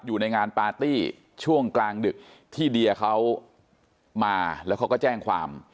อยู่ในงานปาร์ตี้ช่วงกลางดึกที่เดียเขามาแล้วเขาก็แจ้งความ